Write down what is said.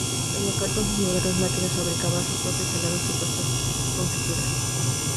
El local, con sus modernas máquinas, fabricaba sus propios helados, pastas y confituras.